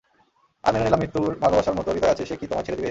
আর মেনে নিলাম মৃত্যুর ভালোবাসার মতো হৃদয় আছে, সে কি তোমায় ছেড়ে দিবে?